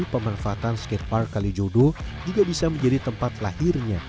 pemanfaatan skatepark kalijodo juga bisa menjadi tempat lahirnya